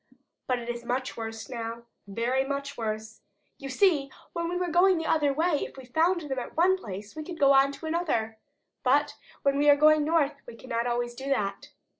But it is much worse now, very much worse. You see, when we were going the other way, if we found them at one place we could go on to another, but when we are going north we cannot always do that.